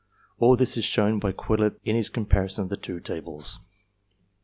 All this is shown by Quetelet in his com parison of the two tables.